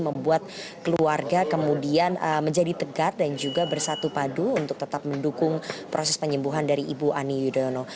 membuat keluarga kemudian menjadi tegar dan juga bersatu padu untuk tetap mendukung proses penyembuhan dari ibu ani yudhoyono